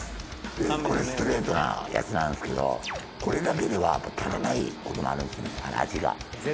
これストレートなやつなんですけどこれだけでは足らないこともあるんですね